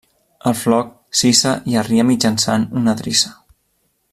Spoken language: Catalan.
El floc s'hissa i arria mitjançant una drissa.